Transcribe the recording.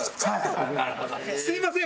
すいません。